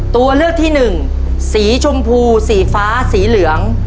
ตัวเลือกที่หนึ่งสีชมพูสีฟ้าสีเหลือง